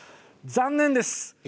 残念です。